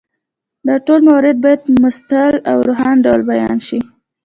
دا ټول موارد باید په مستدل او روښانه ډول بیان شي.